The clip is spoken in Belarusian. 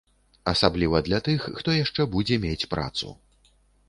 Асабліва для тых, хто яшчэ будзе мець працу.